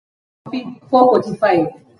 Meno yake ni meupe pepepe